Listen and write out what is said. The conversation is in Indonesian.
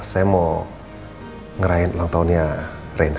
saya mau ngeraih ulang tahunnya reina